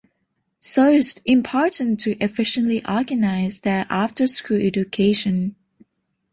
So it's important to efficiently organize their afterschool education.